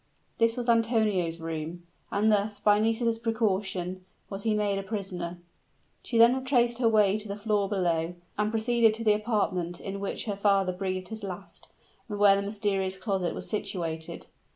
This was Antonio's room; and thus, by Nisida's precaution, was he made a prisoner. She then retraced her way to the floor below, and proceeded to the apartment in which her father breathed his last, and where the mysterious closet was situated.